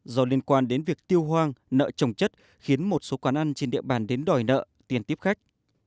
do liên quan đến việc tiêu hoang nợ trồng chất khiến một số quán ăn trên địa bàn đến đòi nợ tiền tiếp khách